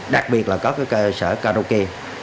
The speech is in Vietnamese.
đặc biệt là các cơ sở karaoke